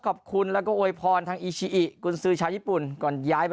ขอบคุณแล้วก็โวยพรทางอีชิอิกุญสือชาวญี่ปุ่นก่อนย้ายไป